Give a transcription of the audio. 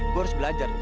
gue harus belajar